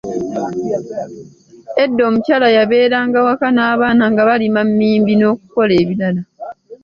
Edda omukyala yabeeranga waka n’abaana nga balima mmimbi n'okukola ebirala.